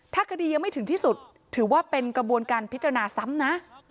ถ้าคดียังไม่ถึงที่สุดถือว่าเป็นกระบวนการพิจารณาซ้ำนะ